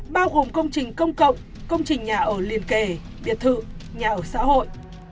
bao gồm công trình công cộng công trình nhà ở liên kề biệt thự nhà ở xã hội